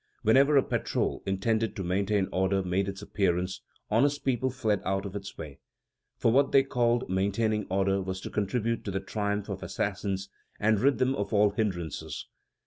Whenever a patrol intended to maintain order made its appearance, honest people fled out of its way; for what they called maintaining order was to contribute to the triumph of assassins and rid them of all hindrances."